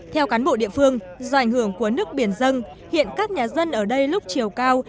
theo cán bộ địa phương do ảnh hưởng của nước biển dâng hiện các nhà dân ở đây lúc chiều cao